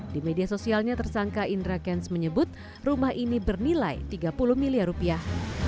di media sosialnya tersangka indra kents menyebut rumah ini bernilai tiga puluh miliar rupiah